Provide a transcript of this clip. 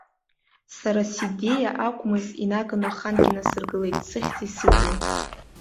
Сара сидеиа акәмыз, инаганы ахангьы инасыргылеит сыхьӡи сыжәлеи.